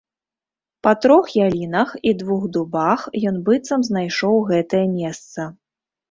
Па трох ялінах і двух дубах ён быццам знайшоў гэтае месца.